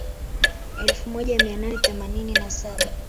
Elfu moja mia nane themanini na saba